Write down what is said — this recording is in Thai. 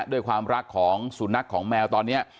ด้วยความรักของสุนัขของแมวตอนนี้